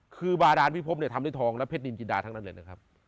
คือบาดานพิพบเนี่ยทำด้วยทองและเพชรนินจินดาทั้งนั้นเลยนะครับ